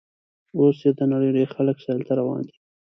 اوس یې د نړۍ ډېر خلک سیل ته روان دي.